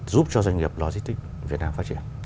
giúp cho doanh nghiệp lôi stick việt nam phát triển